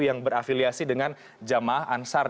yang berafiliasi dengan jamaah ansar